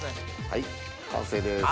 はい完成です。